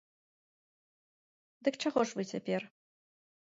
Дык чаго ж вы цяпер?